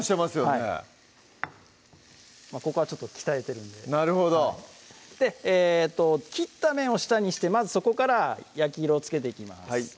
はいここはちょっと鍛えてるんでなるほどえっと切った面を下にしてまずそこから焼き色をつけていきます